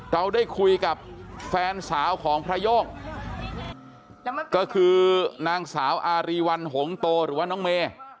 เราได้คุยกับแฟนสาวของพระโย่งก็คือนางสาวอารีวัลหงโตหรือว่าน้องเมย์